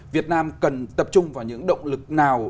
việt nam cần tập trung vào những động lực nào